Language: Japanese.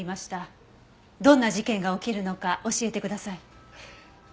どんな事件が起きるのか教えてください。